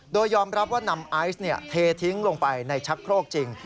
โดยยอมรับว่านำไอซ์เททิ้งลงไปในชักโครกจริง